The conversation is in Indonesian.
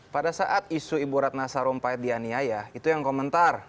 pada saat isu ibu ratna sarumpait dianiaya itu yang komentar